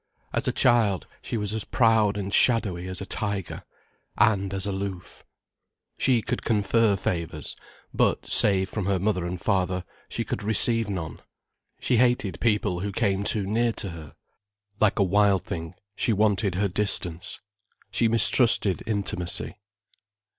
As a child, she was as proud and shadowy as a tiger, and as aloof. She could confer favours, but, save from her mother and father, she could receive none. She hated people who came too near to her. Like a wild thing, she wanted her distance. She mistrusted intimacy.